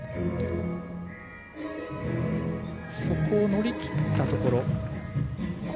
そこを乗り切ったところ。